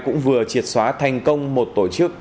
cũng vừa triệt xóa thành công một tổ chức